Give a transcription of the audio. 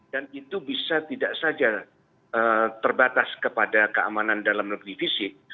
dan itu bisa tidak saja terbatas kepada keamanan dalam negeri fisik